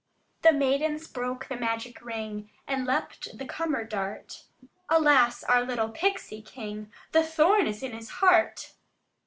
The maidens broke the magic ring, And leaped the cummer dart; 'Alas, our little Pixie king, The thorn is in his heart!